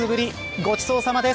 ごちそうさまです。